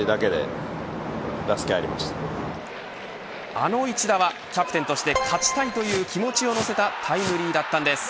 あの一打はキャプテンとして勝ちたいという気持ちを乗せたタイムリーだったんです。